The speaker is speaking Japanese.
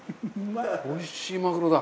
おいしいマグロだ。